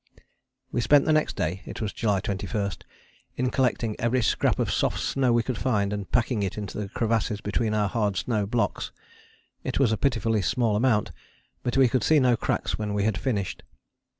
We spent the next day it was July 21 in collecting every scrap of soft snow we could find and packing it into the crevasses between our hard snow blocks. It was a pitifully small amount but we could see no cracks when we had finished.